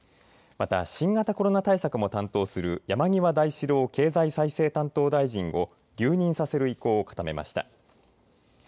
また新型コロナ対策も担当する山際大志郎経済再生担当大臣を留任させる意向を固めました。